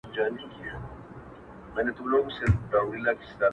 ښه خبر وو مندوشاه له مصیبته!